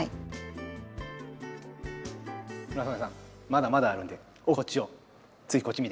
まだまだあるんでこっちを。